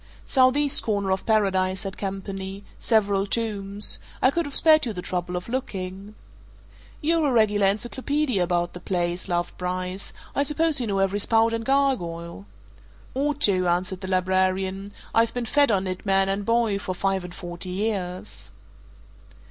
"Southeast corner of Paradise," said Campany. "Several tombs. I could have spared you the trouble of looking." "You're a regular encyclopaedia about the place," laughed Bryce. "I suppose you know every spout and gargoyle!" "Ought to," answered the librarian. "I've been fed on it, man and boy, for five and forty years."